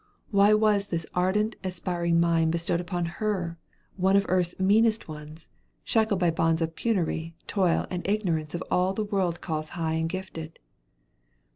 Why was this ardent, aspiring mind bestowed upon her, one of earth's meanest ones, shackled by bonds of penury, toil, and ignorance of all that the world calls high and gifted?